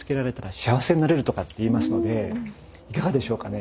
いかがでしょうかね